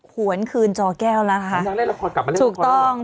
หวนคืนจอแก้วล่ะครับงานน้ำเล่หลักพอลกลับมาเล่นก็ไปดู